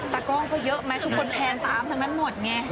ตากล้องก็เยอะมะทุกคนแพนซ้ำงั้นหมดไง